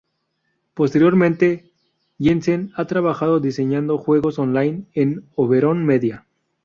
Posteriormente Jensen ha trabajado diseñando juegos online en Oberon Media.